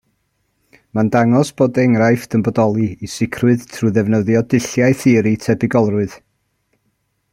Mae'n dangos bod enghraifft yn bodoli, i sicrwydd, trwy ddefnyddio dulliau theori tebygolrwydd.